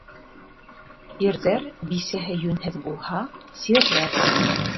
Ирҙәр, бисәһе йүнһеҙ булһа, сирләр.